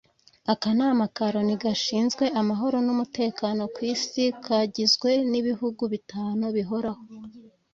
Akanama ka Loni gashinzwe amahoro n’umutekano ku Isi kagizwe n’ibihugu bitanu bihoraho